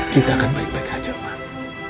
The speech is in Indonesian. kita akan baik baik aja pak